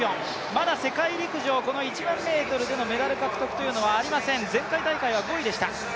まだ世界陸上、この１００００ｍでのメダル獲得というのはありません、前回大会は５位でした。